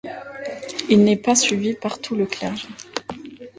Il n’est pas suivi par tout le clergé.